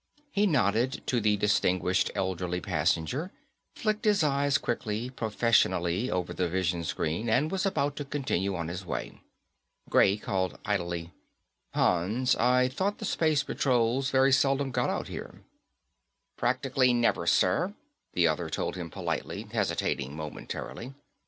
He nodded to the distinguished elderly passenger, flicked his eyes quickly, professionally, over the vision screen and was about to continue on his way. Gray called idly, "Hans, I thought the space patrols very seldom got out here." "Practically never, sir," the other told him politely, hesitating momentarily.